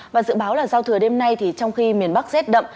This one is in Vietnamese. và dự báo là giao thừa đêm nay thì trong khi miền bắc rét đậm